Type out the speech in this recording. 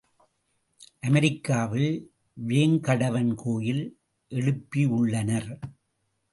அமெரிக்காவில் வேங்கடவன் கோயில் எழுப்பி உள்ளனர்.